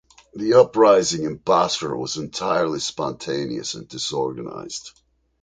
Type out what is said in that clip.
The uprising in Basra was entirely spontaneous and disorganised.